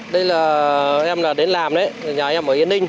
đây là em là đến làm đấy nhà em ở yên đinh